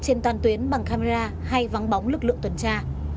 trên toàn tuyến bằng camera hay vắng bóng lực lượng tuần tra